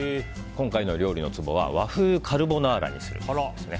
今回の料理のツボは和風カルボナーラにするべし。